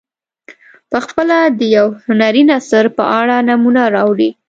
پخپله د یو هنري نثر په اړه نمونه راوړي.